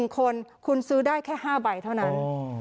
๑คนคุณซื้อได้แค่๕ใบเท่านั้น